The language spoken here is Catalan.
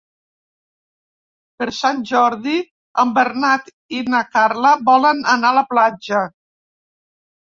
Per Sant Jordi en Bernat i na Carla volen anar a la platja.